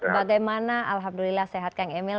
bagaimana alhamdulillah sehat kang emil